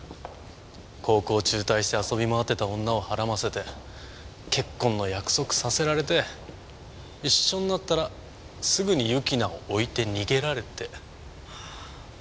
高校中退して遊び回ってた女をはらませて結婚の約束させられて一緒になったらすぐに由樹奈を置いて逃げられて。